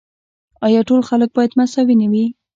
آیا ټول خلک باید مساوي نه وي؟